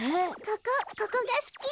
ここここがすき。